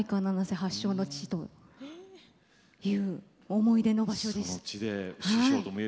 発祥の地で思い出の場所です。